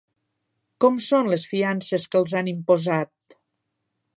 Com són les fiances que els han imposat?